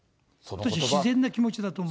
自然な気持ちだと思う。